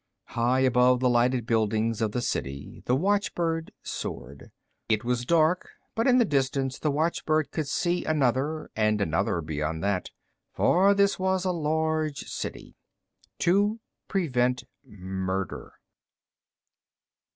High above the lighted buildings of the city, the watchbird soared. It was dark, but in the distance the watchbird could see another, and another beyond that. For this was a large city. To prevent murder